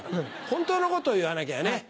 本当のことを言わなきゃね。